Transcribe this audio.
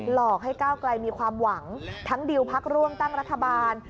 หลอกให้ก้าวไกลมีความหวังทั้งดิวพักร่วมตั้งรัฐบาล